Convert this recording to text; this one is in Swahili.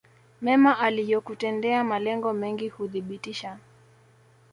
mema aliyokutendea Malengo mengi huthibitisha